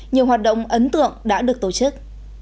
nhiều hoạt động ấn tượng đã được tổ chức